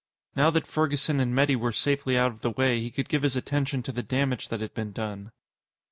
Now that Ferguson and Metty were safely out of the way, he could give his attention to the damage that had been done.